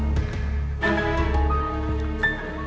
sg mentar ya